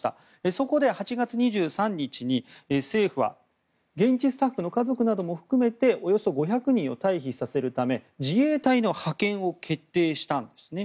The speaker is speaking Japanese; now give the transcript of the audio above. そこで８月２３日に政府は現地スタッフの家族なども含めておよそ５００人を退避させるため自衛隊の派遣を決定したんですね。